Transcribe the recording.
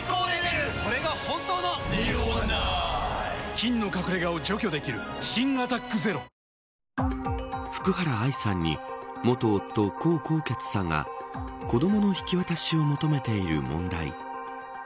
菌の隠れ家を除去できる新「アタックＺＥＲＯ」福原愛さんに元夫、江宏傑さんが子どもの引き渡しを求めている問題。